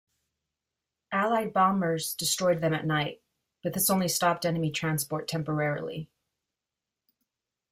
Allied bombers destroyed them at night, but this only stopped enemy transport temporarily.